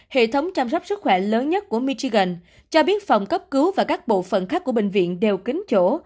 hệ thống chăm sóc sức khỏe lớn nhất của michigan cho biết phòng cấp cứu và các bộ phận khác của bệnh viện đều kính chỗ